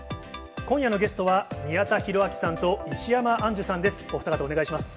今夜のゲストは、宮田裕章さんと石山アンジュさんです。